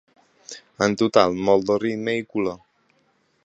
En total, molt de ritme i color.